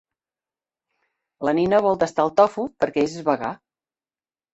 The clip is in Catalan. La Nina vol tastar el tofu perquè és vegà.